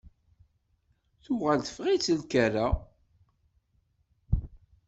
Tuɣal teffeɣ-itt lkerra.